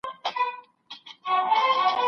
څارنوال د ځان په جُرم نه پوهېږي